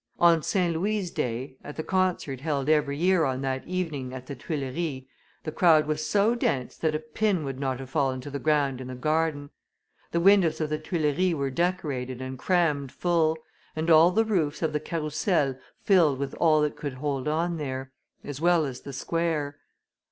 On St. Louis' day, at the concert held every year on that evening at the Tuileries, the crowd was so dense that a pin would not have fallen to the ground in the garden. The windows of the Tuileries were decorated and crammed full, and all the roofs of the Carrousel filled with all that could hold on there, as well as the square.